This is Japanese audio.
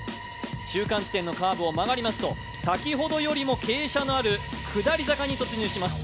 中間地点のカーブを曲がりますと、先ほどよりも傾斜がある下り坂に突入します。